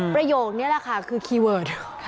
ประโยคนี้แหละค่ะคือคีย์เวิร์ด